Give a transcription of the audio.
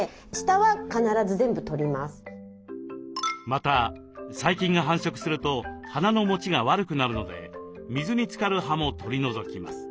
また細菌が繁殖すると花のもちが悪くなるので水につかる葉も取り除きます。